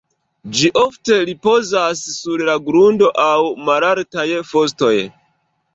Ĝi ofte ripozas sur la grundo aŭ malaltaj fostoj.